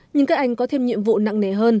nhưng các anh có thêm nhiệm vụ nặng nề